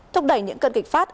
thúc đẩy những cơn kịch phát